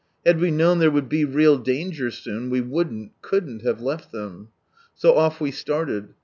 Had we known there would be real danger soon, we wouldn't, couldn't have left them. So off we started.